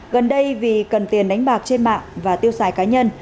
gần đây vì cần tiền đánh bạc trên mạng và tiêu xài cá nhân